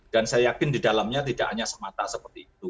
dan saya yakin di dalamnya tidak hanya semata seperti itu